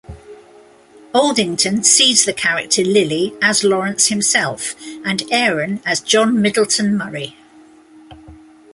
Aldington sees the character Lilly as Lawrence himself, and Aaron as John Middleton Murry.